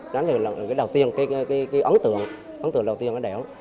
đó là cái ấn tượng đầu tiên ở đảo